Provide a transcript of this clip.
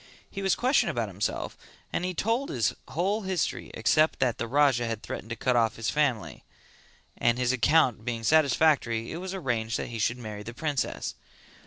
He was questioned about himself and he told his whole history except that the Raja had threatened to cut off his family, and his account being satisfactory it was arranged that he should marry the princess.